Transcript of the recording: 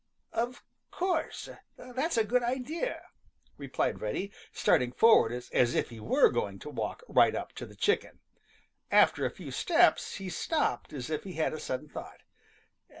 "Of course. That's a good idea," replied Reddy, starting forward as if he were going to walk right up to the chicken. After a few steps he stopped as if he had a sudden thought.